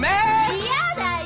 嫌だよ！